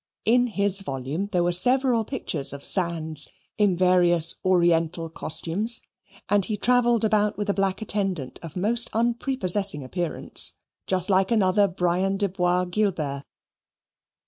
In his volume there were several pictures of Sands in various oriental costumes; and he travelled about with a black attendant of most unprepossessing appearance, just like another Brian de Bois Guilbert.